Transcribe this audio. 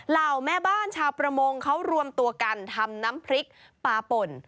เหล่าแม่บ้านชาวประมงเขารวมตัวกันทำน้ำพริกปลาป่น